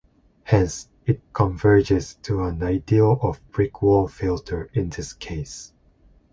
Hence, it converges to an ideal or brick-wall filter in this case.